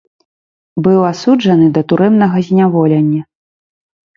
Быў асуджаны да турэмнага зняволення.